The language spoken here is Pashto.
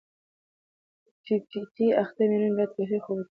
پی پي پي اخته مېرمنې باید کافي خوب وکړي.